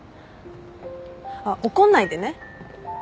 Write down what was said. あっ怒んないでね。